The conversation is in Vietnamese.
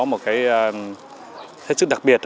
một cái hết sức đặc biệt